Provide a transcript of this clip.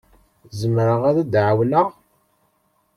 Zemreɣ ad d-ɛawneɣ.